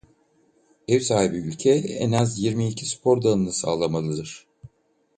Ev sahibi ülke en az yirmi iki spor dalını sağlamalıdır.